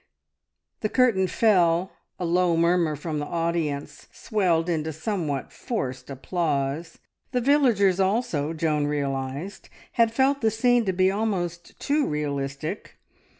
The curtain fell. A low murmur from the audience swelled into somewhat forced applause. The villagers also, Joan realised, had felt the scene to be almost too realistic.